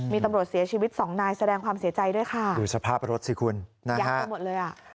มีตำรวจเสียชีวิตสองนายแสดงความเสียใจด้วยค่ะดูสภาพรถสิคุณยับไปหมดเลยอ่ะ